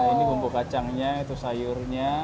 ini bumbu kacangnya itu sayurnya